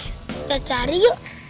kita cari yuk